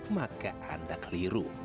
maka anda keliru